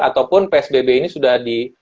ataupun psbb ini sudah di